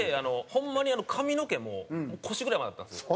ホンマに髪の毛も腰ぐらいまであったんですよ。